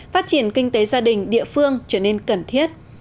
phát triển kinh tế gia đình địa phương trở nên cần thiết